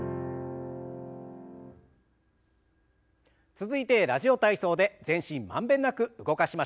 続いて「ラジオ体操」で全身満遍なく動かしましょう。